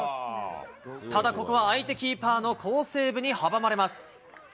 ただ、ここは相手キーパーの好セーブに阻まれます。